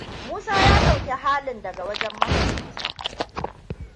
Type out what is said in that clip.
Musa ya ɗauki halin daga wajen mahaifinsa.